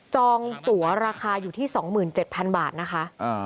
องตัวราคาอยู่ที่๒๗๐๐บาทนะคะ